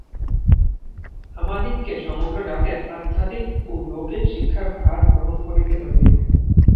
আমাদিগকে সমগ্র জাতির আধ্যাত্মিক ও লৌকিক শিক্ষার ভার গ্রহণ করিতে হইবে।